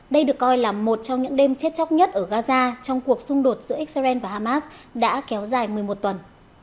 đây được coi là một trong những đêm chết chóc nhất ở gaza trong cuộc xung đột giữa israel và hamas đã kéo dài một mươi một tuần